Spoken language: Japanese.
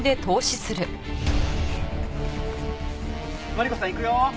マリコさんいくよ。